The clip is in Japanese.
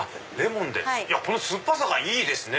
この酸っぱさがいいですね。